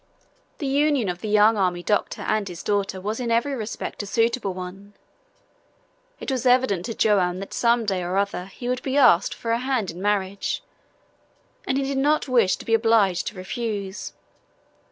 The union of the young army doctor and his daughter was in every respect a suitable one. It was evident to Joam that some day or other he would be asked for her hand in marriage, and he did not wish to be obliged to refuse.